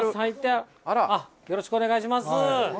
よろしくお願いします。